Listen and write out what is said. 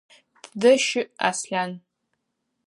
Тыдэ щыӏ Аслъан?